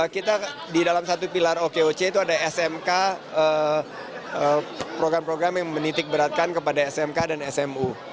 kita di dalam satu pilar okoc itu ada smk program program yang menitik beratkan kepada smk dan smu